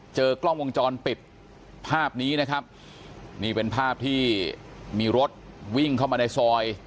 เจอกล้องวงจรปิดภาพนี้นะครับนี่เป็นภาพที่มีรถวิ่งเข้ามาในซอย